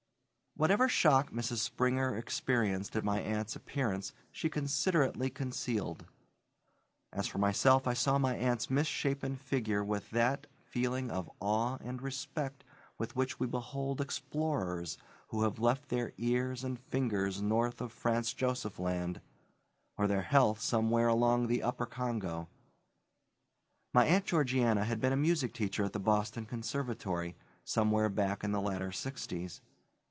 Whatever shock Mrs. Springer experienced at my aunt's appearance she considerately concealed. As for myself, I saw my aunt's misshapen figure with that feeling of awe and respect with which we behold explorers who have left their ears and fingers north of Franz Josef Land, or their health somewhere along the Upper Congo. My Aunt Georgiana had been a music teacher at the Boston Conservatory, somewhere back in the latter sixties.